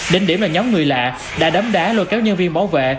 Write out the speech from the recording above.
đến điểm mà nhóm người lạ đã đấm đá lôi kéo nhân viên bảo vệ